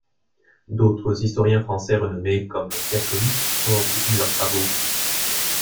D'autres historiens français renommés comme Pierre Chaunu ont soutenu leurs travaux.